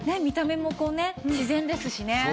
見た目も自然ですしね。